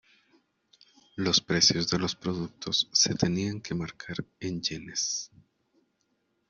Los precios de los productos se tenían que marcar en yenes.